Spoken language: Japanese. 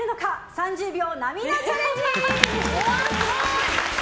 ３０秒涙チャレンジ！